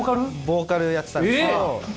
ボーカルやってたんですけど。